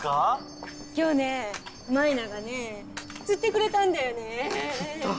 今日ね舞菜がね釣ってくれたんだよねつった？